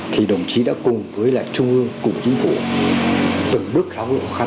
thì đồng chí đã cùng với trung ương cùng chính phủ từng bước khá là khó khăn khá sang